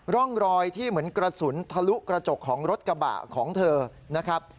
ร่องรอยที่เหมือนกระสุนทะลุกระจกของรถกระบะของเธอนะครับ